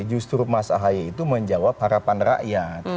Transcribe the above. justru mas ahaye itu menjawab harapan rakyat